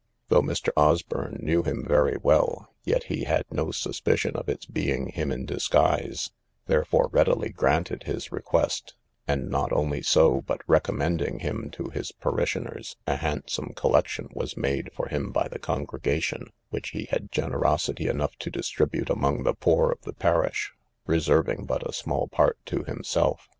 Though Mr. Osburn knew him very well, yet he had no suspicion of its being him in disguise, therefore readily granted his request; and not only so, but recommending him to his parishioners, a handsome collection was made for him by the congregation, which he had generosity enough to distribute among the poor of the parish, reserving but a small part to himself.